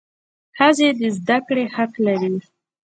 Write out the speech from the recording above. ښځي د زده کړو حق لري.